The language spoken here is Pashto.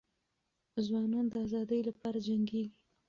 ځوانان د ازادۍ لپاره جنګیږي.